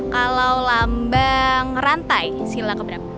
kalau lambang rantai sila keberapa